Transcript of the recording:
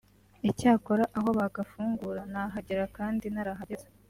icyakora aho bagafungura nahagera kandi narahageze